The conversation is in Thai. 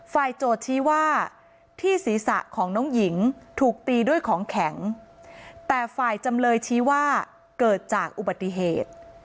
โจทย์ชี้ว่าที่ศีรษะของน้องหญิงถูกตีด้วยของแข็งแต่ฝ่ายจำเลยชี้ว่าเกิดจากอุบัติเหตุ